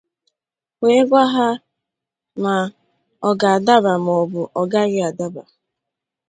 wee gwa ha ma ọ ga-adaba ma ọ bụ na ọ gaghị adaba